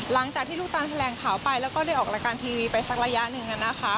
หลังจากที่ลูกตานแถลงข่าวไปแล้วก็ได้ออกรายการทีวีไปสักระยะหนึ่ง